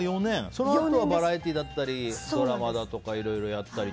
そのあとはバラエティーとかドラマとかいろいろやったり。